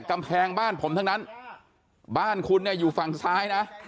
กำแพงบ้านผมทั้งนั้นบ้านคุณเนี่ยอยู่ฝั่งซ้ายนะ